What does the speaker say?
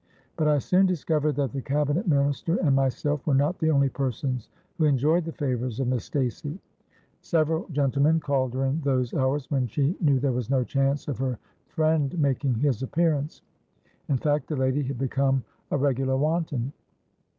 But I soon discovered that the Cabinet Minister and myself were not the only persons who enjoyed the favours of Miss Stacey. Several gentlemen called during those hours when she knew there was no chance of her 'friend' making his appearance: in fact, the lady had become a regular wanton.